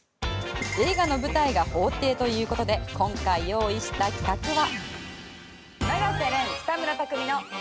映画の舞台が法廷ということで今回、用意した企画は。